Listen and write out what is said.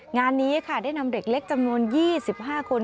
งานนี้ค่ะได้นำเด็กเล็กจำนวน๒๕คน